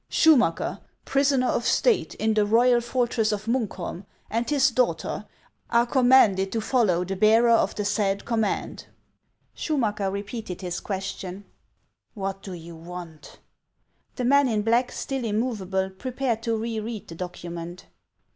Schumacker, prisoner of State in the royal for tress of Munkholm, and his daughter, are commanded to follow the bearer of the said command." Schumacker repeated his question :" What do you want ?" The man in black, still immovable, prepared to re read the document.